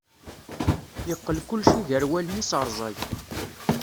Yeqqel kulci gar wallen-is rẓag.